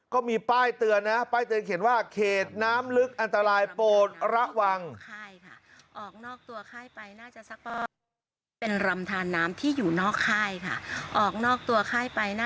ก็มีป้ายเตือนนะป้ายเตือนเขียนว่าเขตน้ำลึกอันตรายโปรดระวัง